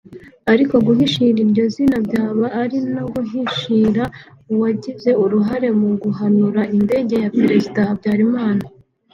Ariko guhisha iryo zina byaba ari no guhishira uwagize uruhare mu guhanura indege ya Perezida Habyalimana